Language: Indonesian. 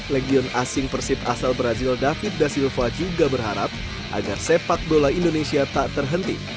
legion asing persib asal brazil david da silva juga berharap agar sepak bola indonesia tak terhenti